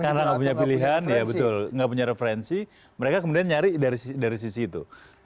karena nggak punya pilihan ya betul nggak punya referensi mereka kemudian nyari dari sisi itu